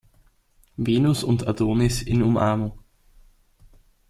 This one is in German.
Venus und Adonis in Umarmung.